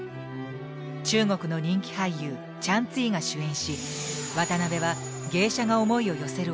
中国の人気俳優チャン・ツィイーが主演し渡辺は芸者が思いを寄せる